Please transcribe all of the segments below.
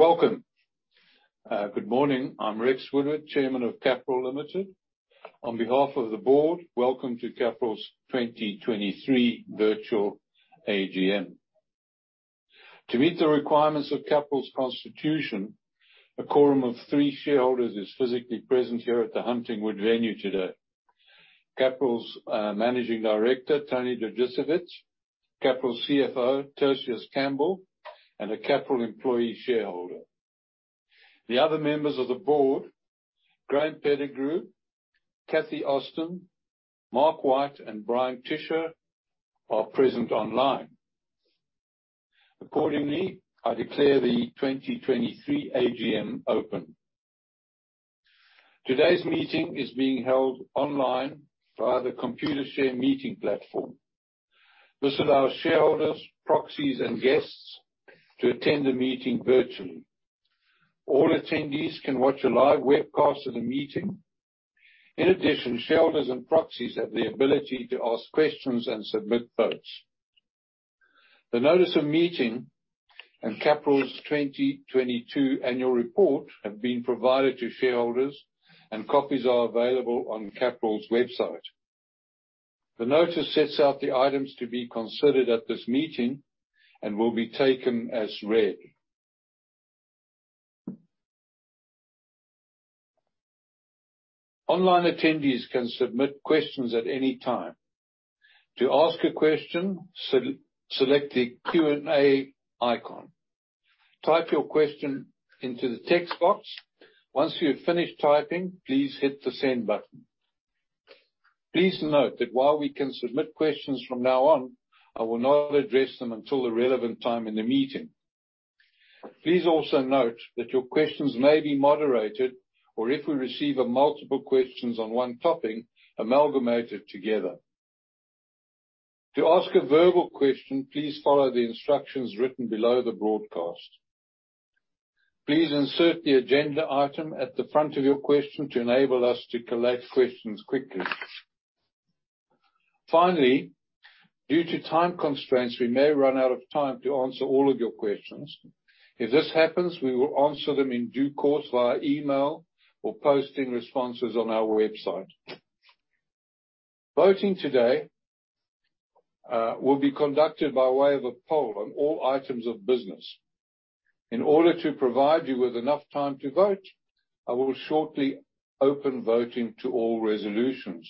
Welcome. Good morning. I'm Rex Wood-Ward, Chairman of Capral Limited. On behalf of the board, welcome to Capral's 2023 virtual AGM. To meet the requirements of Capral's constitution, a quorum of three shareholders is physically present here at the Huntingwood Venue today. Capral's Managing Director, Tony Dragicevich, Capral's CFO, Tertius Campbell, and a Capral employee shareholder. The other members of the board, Graeme Pettigrew, Katherine Ostin, Mark White, and Bryan Tisher, are present online. Accordingly, I declare the 2023 AGM open. Today's meeting is being held online via the Computershare meeting platform. This allows shareholders, proxies, and guests to attend the meeting virtually. All attendees can watch a live webcast of the meeting. In addition, shareholders and proxies have the ability to ask questions and submit votes. The notice of meeting and Capral's 2022 annual report have been provided to shareholders and copies are available on Capral's website. The notice sets out the items to be considered at this meeting and will be taken as read. Online attendees can submit questions at any time. To ask a question, select the Q&A icon. Type your question into the text box. Once you have finished typing, please hit the Send button. Please note that while we can submit questions from now on, I will not address them until the relevant time in the meeting. Please also note that your questions may be moderated, or if we receive a multiple questions on one topic, amalgamated together. To ask a verbal question, please follow the instructions written below the broadcast. Please insert the agenda item at the front of your question to enable us to collate questions quickly. Finally, due to time constraints, we may run out of time to answer all of your questions. If this happens, we will answer them in due course via email or posting responses on our website. Voting today, will be conducted by way of a poll on all items of business. In order to provide you with enough time to vote, I will shortly open voting to all resolutions.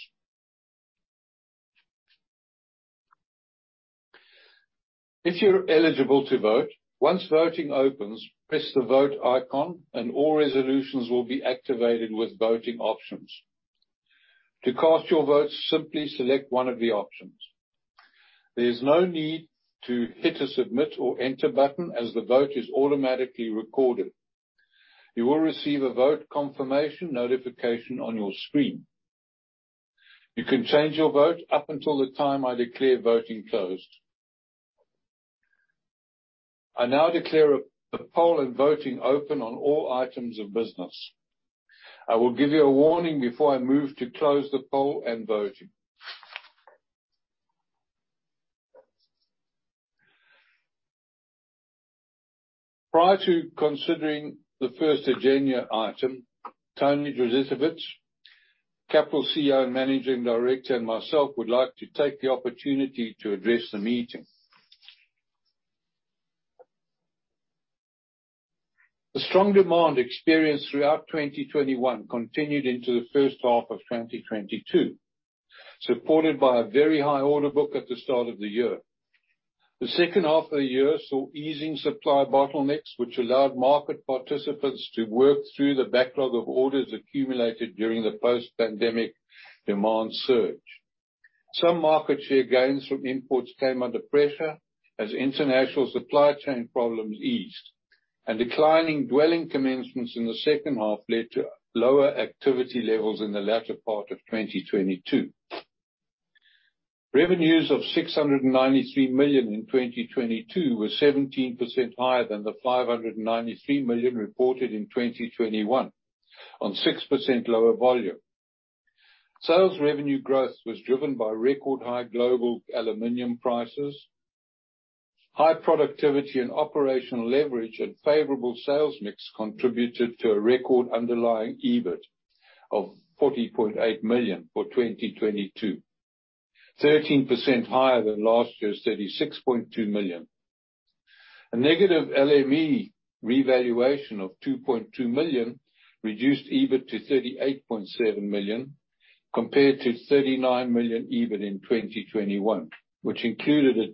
If you're eligible to vote, once voting opens, press the Vote icon and all resolutions will be activated with voting options. To cast your vote, simply select one of the options. There is no need to hit a Submit or Enter button as the vote is automatically recorded. You will receive a vote confirmation notification on your screen. You can change your vote up until the time I declare voting closed. I now declare the poll and voting open on all items of business. I will give you a warning before I move to close the poll and voting. Prior to considering the first agenda item, Tony Dragicevich, Capral CEO and Managing Director, and myself would like to take the opportunity to address the meeting. The strong demand experienced throughout 2021 continued into the first half of 2022, supported by a very high order book at the start of the year. The second half of the year saw easing supply bottlenecks, which allowed market participants to work through the backlog of orders accumulated during the post-pandemic demand surge. Some market share gains from imports came under pressure as international supply chain problems eased and declining dwelling commencements in the second half led to lower activity levels in the latter part of 2022. Revenues of 693 million in 2022 were 17% higher than the 593 million reported in 2021, on 6% lower volume. Sales revenue growth was driven by record-high global aluminum prices. High productivity and operational leverage and favorable sales mix contributed to a record underlying EBIT of 40.8 million for 2022. 13% higher than last year's 36.2 million. A negative LME revaluation of 2.2 million reduced EBIT to 38.7 million, compared to 39 million EBIT in 2021, which included a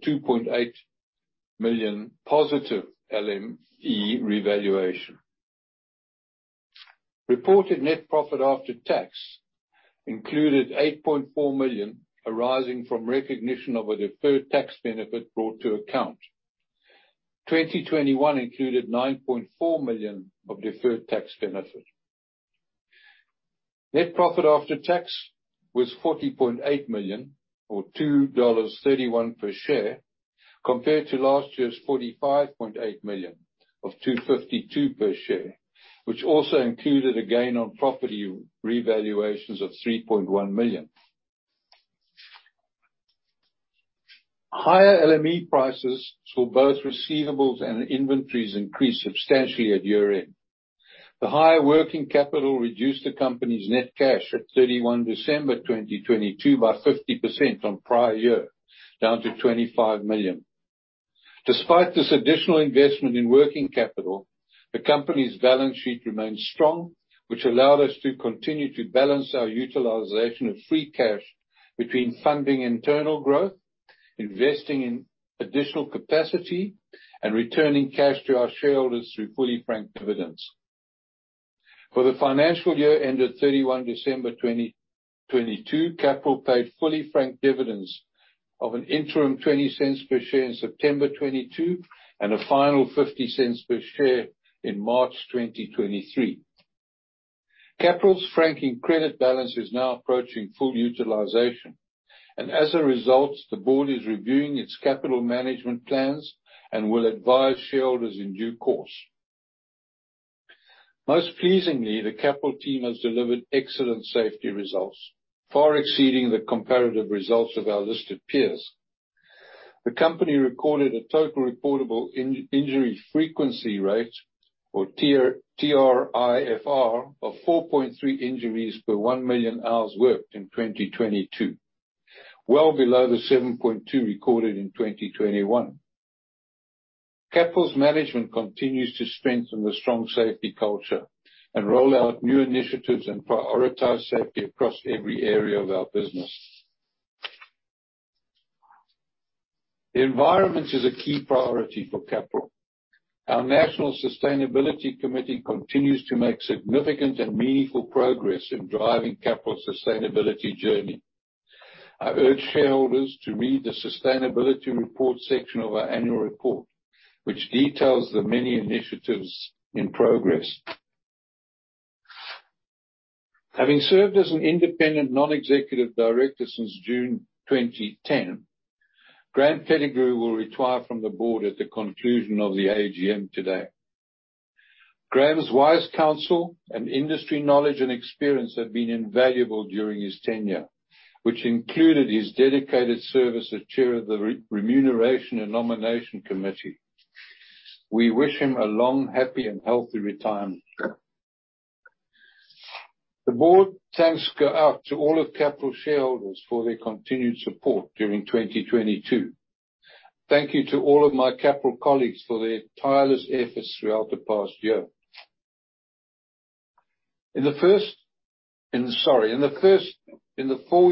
2.8 million positive LME revaluation. Reported net profit after tax included 8.4 million arising from recognition of a deferred tax benefit brought to account. 2021 included 9.4 million of deferred tax benefit. Net profit after tax was 40.8 million or 2.31 dollars per share, compared to last year's 45.8 million of 2.52 per share, which also included a gain on property revaluations of 3.1 million. Higher LME prices saw both receivables and inventories increase substantially at year-end. The higher working capital reduced the company's net cash at 31 December 2022 by 50% on prior year, down to 25 million. Despite this additional investment in working capital, the company's balance sheet remains strong, which allowed us to continue to balance our utilization of free cash between funding internal growth, investing in additional capacity, and returning cash to our shareholders through fully franked dividends. For the financial year ended 31 December 2022, Capral paid fully franked dividends of an interim 0.20 per share in September 2022, and a final 0.50 per share in March 2023. Capral's franking credit balance is now approaching full utilization. As a result, the board is reviewing its capital management plans and will advise shareholders in due course. Most pleasingly, the Capral team has delivered excellent safety results, far exceeding the comparative results of our listed peers. The company recorded a total reportable injury frequency rate, or TRIFR, of 4.3 injuries per 1 million hours worked in 2022, well below the 7.2 recorded in 2021. Capral's management continues to strengthen the strong safety culture and roll out new initiatives and prioritize safety across every area of our business. The environment is a key priority for Capral. Our National Sustainability Committee continues to make significant and meaningful progress in driving Capral's Sustainability journey. I urge shareholders to read the sustainability report section of our annual report, which details the many initiatives in progress. Having served as an Independent Non-Executive Director since June 2010, Graeme Pettigrew will retire from the board at the conclusion of the AGM today. Graeme's wise counsel and industry knowledge and experience have been invaluable during his tenure, which included his dedicated service as chair of the Remuneration and Nomination Committee. We wish him a long, happy and healthy retirement. The board thanks go out to all of Capral shareholders for their continued support during 2022. Thank you to all of my Capral colleagues for their tireless efforts throughout the past year. In the 4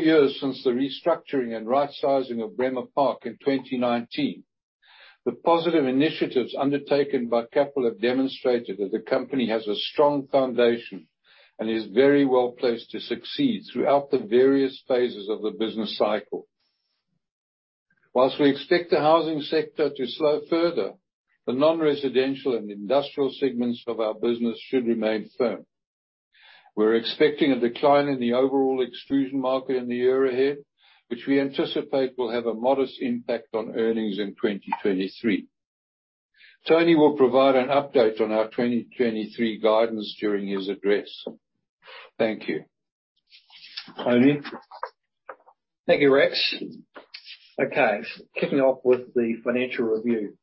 years since the restructuring and rightsizing of Bremer Park in 2019, the positive initiatives undertaken by Capral have demonstrated that the company has a strong foundation and is very well-placed to succeed throughout the various phases of the business cycle. Whilst we expect the housing sector to slow further, the non-residential and industrial segments of our business should remain firm. We're expecting a decline in the overall extrusion market in the year ahead, which we anticipate will have a modest impact on earnings in 2023. Tony will provide an update on our 2023 guidance during his address. Thank you. Tony. Thank you, Rex. Okay. Kicking off with the financial review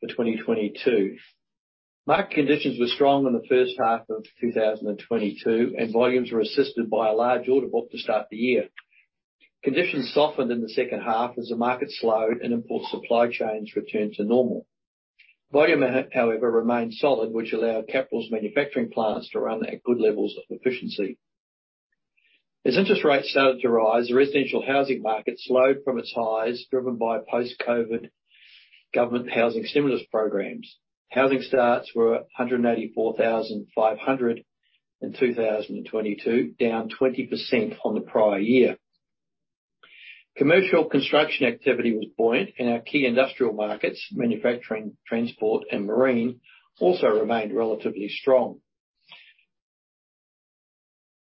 for 2022. Market conditions were strong in the first half of 2022, and volumes were assisted by a large order book to start the year. Conditions softened in the second half as the market slowed and import supply chains returned to normal. Volume, however, remained solid, which allowed Capral's manufacturing plants to run at good levels of efficiency. As interest rates started to rise, the residential housing market slowed from its highs, driven by post-COVID government housing stimulus programs. Housing starts were 184,500 in 2022, down 20% on the prior year. Commercial construction activity was buoyant in our key industrial markets. Manufacturing, transport and marine also remained relatively strong.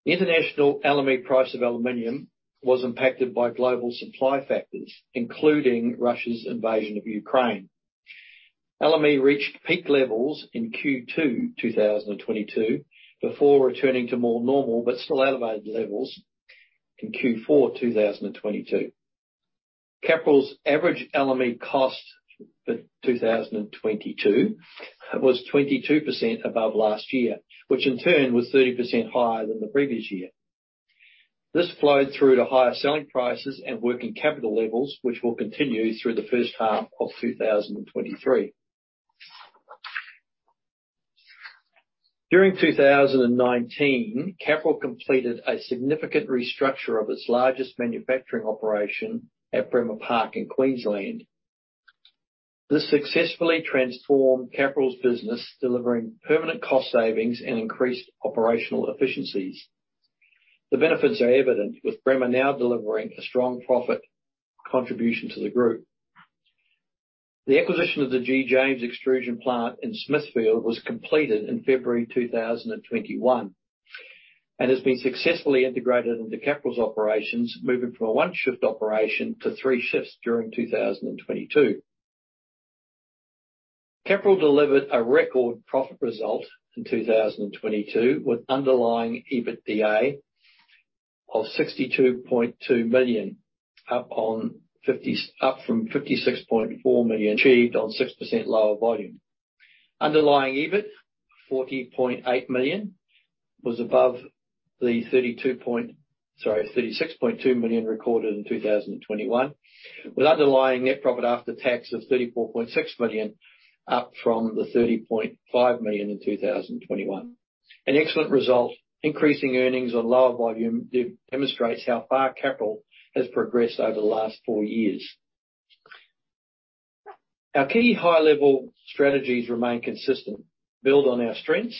The international LME price of aluminum was impacted by global supply factors, including Russia's invasion of Ukraine. LME reached peak levels in Q2 2022 before returning to more normal but still elevated levels in Q4 2022. Capral's average LME cost for 2022 was 22% above last year, which in turn was 30% higher than the previous year. This flowed through to higher selling prices and working capital levels, which will continue through the first half of 2023. During 2019, Capral completed a significant restructure of its largest manufacturing operation at Bremer Park in Queensland. This successfully transformed Capral's business, delivering permanent cost savings and increased operational efficiencies. The benefits are evident, with Bremer now delivering a strong profit contribution to the group. The acquisition of the G. James extrusion plant in Smithfield was completed in February 2021 and has been successfully integrated into Capral's operations, moving from a one-shift operation to three shifts during 2022. Capral delivered a record profit result in 2022, with underlying EBITDA of 62.2 million, up from 56.4 million achieved on 6% lower volume. Underlying EBIT, 14.8 million, was above the 32 point... Sorry, 36.2 million recorded in 2021, with underlying net profit after tax of 34.6 million, up from the 30.5 million in 2021. An excellent result. Increasing earnings on lower volume demonstrates how far Capral has progressed over the last four years. Our key high-level strategies remain consistent. Build on our strengths,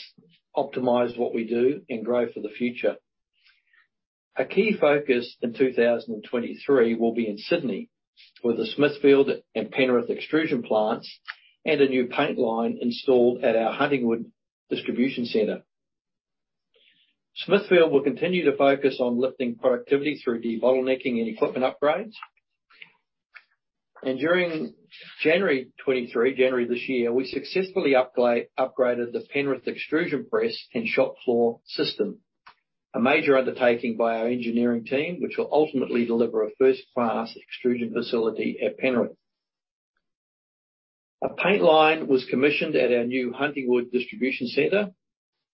optimize what we do, and grow for the future. A key focus in 2023 will be in Sydney with the Smithfield and Penrith extrusion plants and a new paint line installed at our Huntingwood distribution center. Smithfield will continue to focus on lifting productivity through debottlenecking and equipment upgrades. During January 2023, January this year, we successfully upgraded the Penrith extrusion press and shop floor system. A major undertaking by our engineering team, which will ultimately deliver a first-class extrusion facility at Penrith. A paint line was commissioned at our new Huntingwood distribution center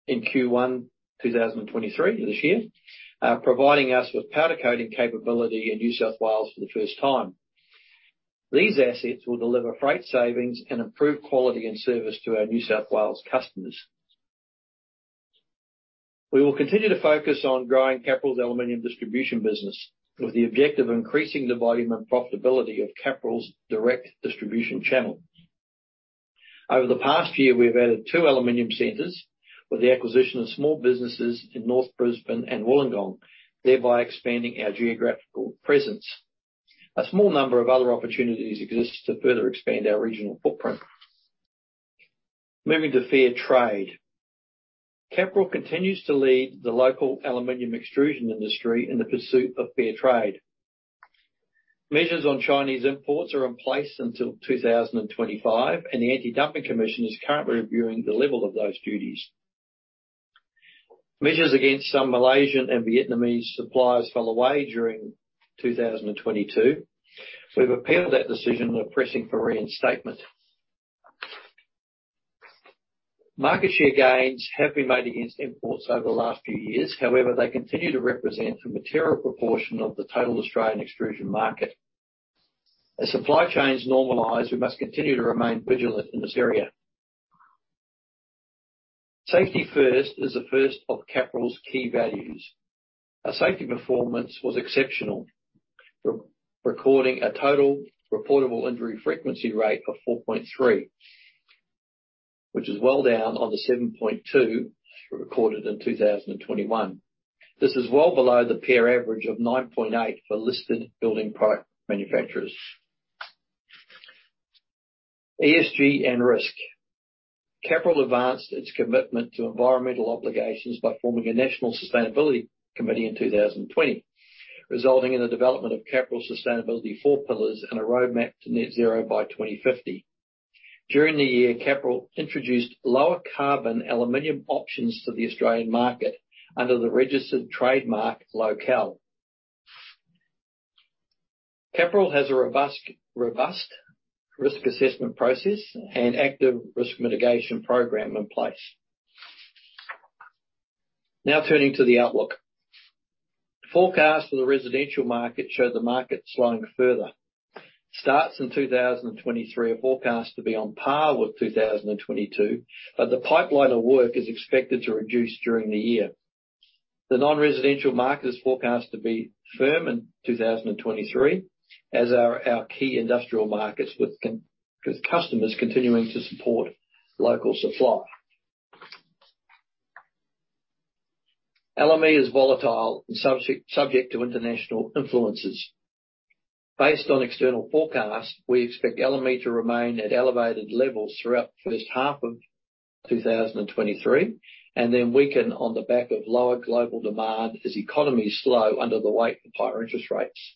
in Q1 2023, this year, providing us with powder coating capability in New South Wales for the first time. These assets will deliver freight savings and improve quality and service to our New South Wales customers. We will continue to focus on growing Capral's aluminium distribution business with the objective of increasing the volume and profitability of Capral's direct distribution channel. Over the past year, we have added two aluminium centers with the acquisition of small businesses in North Brisbane and Wollongong, thereby expanding our geographical presence. A small number of other opportunities exist to further expand our regional footprint. Moving to fair trade. Capral continues to lead the local aluminium extrusion industry in the pursuit of fair trade. Measures on Chinese imports are in place until 2025. The Anti-Dumping Commission is currently reviewing the level of those duties. Measures against some Malaysian and Vietnamese suppliers fell away during 2022. We've appealed that decision and are pressing for reinstatement. Market share gains have been made against imports over the last few years. They continue to represent a material proportion of the total Australian extrusion market. As supply chains normalize, we must continue to remain vigilant in this area. Safety first is the first of Capral's key values. Our safety performance was exceptional, re-recording a total reportable injury frequency rate of 4.3, which is well down on the 7.2 recorded in 2021. This is well below the peer average of 9.8 for listed building product manufacturers. ESG and risk. Capral advanced its commitment to environmental obligations by forming a national sustainability committee in 2020, resulting in the development of Capral's Sustainability four pillars and a roadmap to Net Zero by 2050. During the year, Capral introduced lower carbon aluminum options to the Australian market under the registered trademark, LocAl. Capral has a robust risk assessment process and active risk mitigation program in place. Turning to the outlook. Forecast for the residential market show the market slowing further. Starts in 2023 are forecast to be on par with 2022, the pipeline of work is expected to reduce during the year. The non-residential market is forecast to be firm in 2023, as are our key industrial markets with customers continuing to support local supply. LME is volatile and subject to international influences. Based on external forecasts, we expect aluminum to remain at elevated levels throughout the first half of 2023, then weaken on the back of lower global demand as economies slow under the weight of higher interest rates.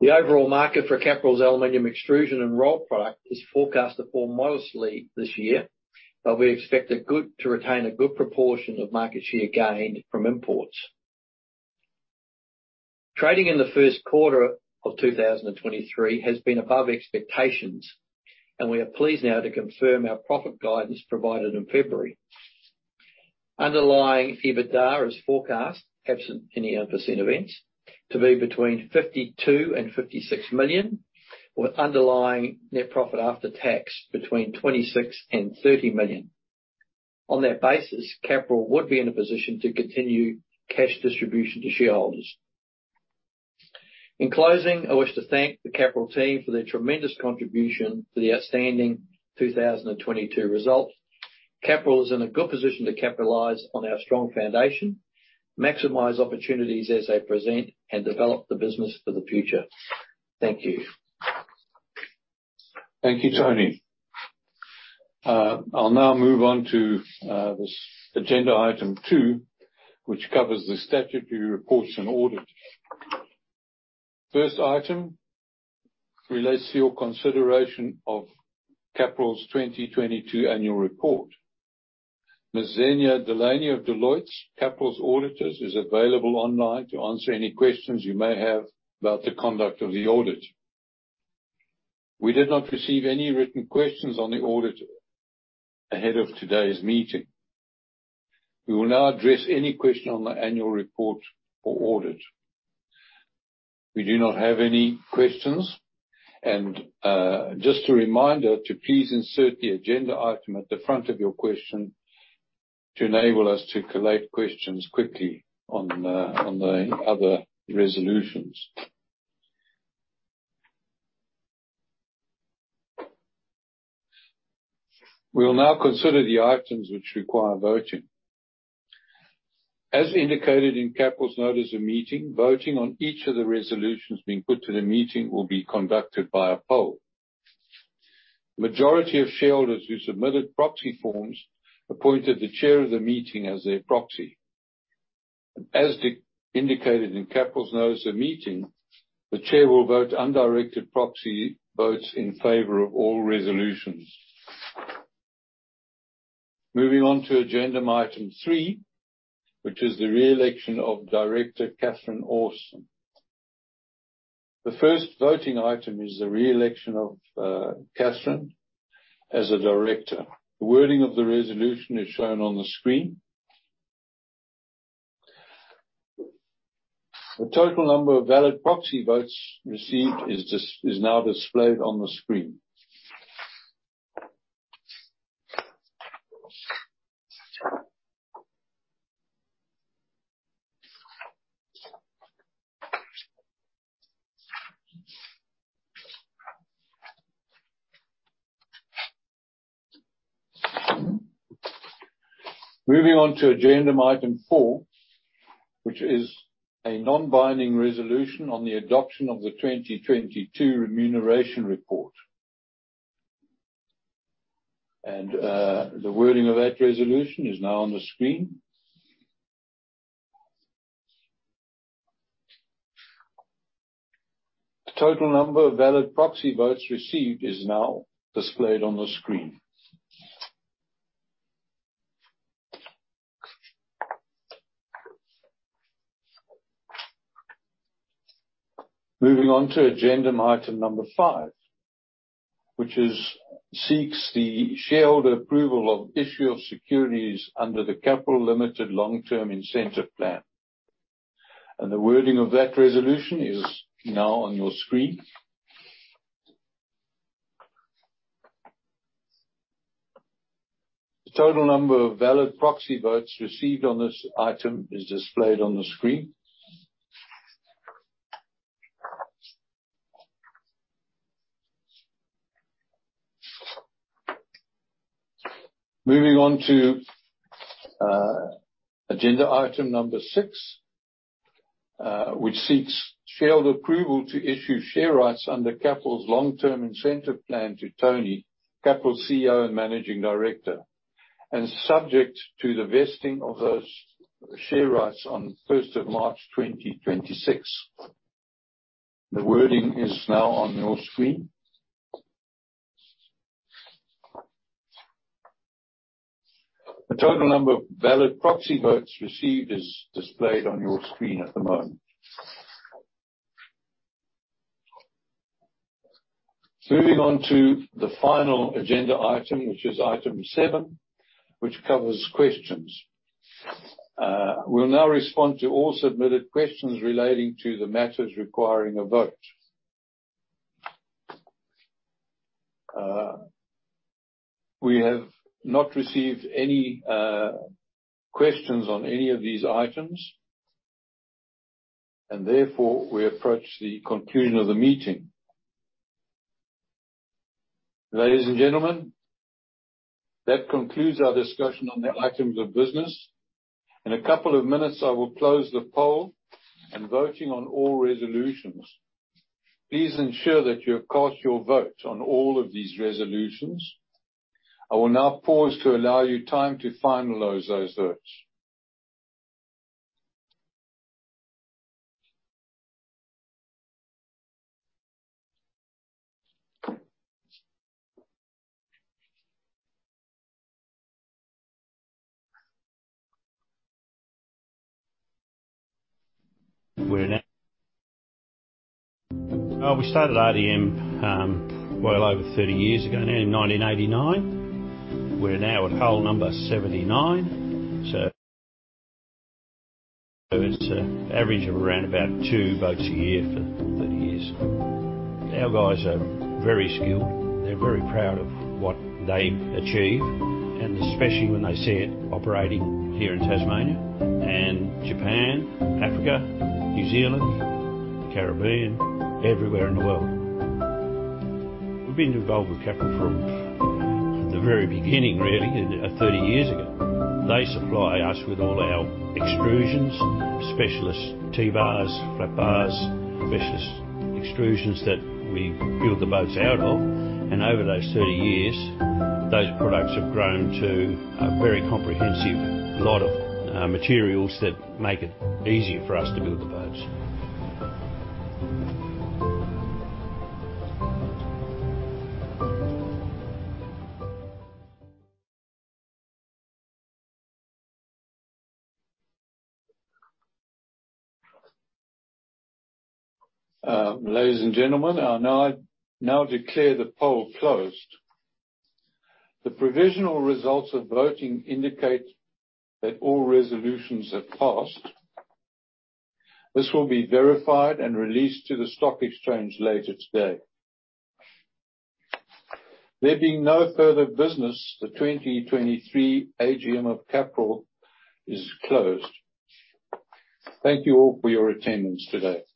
The overall market for Capral's aluminum extrusion and raw product is forecast to fall modestly this year, but we expect to retain a good proportion of market share gained from imports. Trading in the first quarter of 2023 has been above expectations. We are pleased now to confirm our profit guidance provided in February. Underlying EBITDA is forecast, absent any unforeseen events, to be between 52 million and 56 million, with underlying net profit after tax between 26 million and 30 million. On that basis, Capral would be in a position to continue cash distribution to shareholders. In closing, I wish to thank the Capral team for their tremendous contribution to the outstanding 2022 results. Capral is in a good position to capitalize on our strong foundation, maximize opportunities as they present, and develop the business for the future. Thank you. Thank you, Tony. I'll now move on to this agenda item 2, which covers the statutory reports and audit. First item relates to your consideration of Capral's 2022 annual report. Miss Xenia Delaney of Deloitte, Capral's auditors, is available online to answer any questions you may have about the conduct of the audit. We did not receive any written questions on the audit ahead of today's meeting. We will now address any question on the annual report or audit. We do not have any questions. Just a reminder to please insert the agenda item at the front of your question to enable us to collate questions quickly on the other resolutions. We will now consider the items which require voting. As indicated in Capral's notice of meeting, voting on each of the resolutions being put to the meeting will be conducted by a poll. Majority of shareholders who submitted proxy forms appointed the chair of the meeting as their proxy. As indicated in Capral's notice of meeting, the chair will vote undirected proxy votes in favor of all resolutions. Moving on to agenda item three, which is the re-election of Director Katherine Ostin. The first voting item is the re-election of Katherine as a director. The wording of the resolution is shown on the screen. The total number of valid proxy votes received is now displayed on the screen. Moving on to agenda item four, which is a non-binding resolution on the adoption of the 2022 remuneration report. The wording of that resolution is now on the screen. The total number of valid proxy votes received is now displayed on the screen. Moving on to agenda item number five, which seeks the shareholder approval of issue of securities under the Capral Limited Long Term Incentive Plan. The wording of that resolution is now on your screen. The total number of valid proxy votes received on this item is displayed on the screen. Moving on to agenda item number 6, which seeks shareholder approval to issue share rights under Capral's Long Term Incentive Plan to Tony, Capral CEO and Managing Director, and subject to the vesting of those share rights on first of March 2026. The wording is now on your screen. The total number of valid proxy votes received is displayed on your screen at the moment. Moving on to the final agenda item, which is item 7, which covers questions. We'll now respond to all submitted questions relating to the matters requiring a vote. We have not received any questions on any of these items, and therefore, we approach the conclusion of the meeting. Ladies and gentlemen, that concludes our discussion on the items of business. In a couple of minutes, I will close the poll and voting on all resolutions. Please ensure that you have cast your vote on all of these resolutions. I will now pause to allow you time to finalize those votes. We started RDM well over 30 years ago now, in 1989. We're now at hull number 79. It's a average of around about 2 boats a year for 30 years. Our guys are very skilled. They're very proud of what they achieve, and especially when they see it operating here in Tasmania and Japan, Africa, New Zealand, the Caribbean, everywhere in the world. We've been involved with Capral from the very beginning, really, 30 years ago. They supply us with all our extrusions, specialist T-bars, flat bars, specialist extrusions that we build the boats out of. Over those 30 years, those products have grown to a very comprehensive lot of materials that make it easier for us to build the boats. ladies and gentlemen, I now declare the poll closed. The provisional results of voting indicate that all resolutions have passed. This will be verified and released to the stock exchange later today. There being no further business, the 2023 AGM of Capral is closed. Thank you all for your attendance today.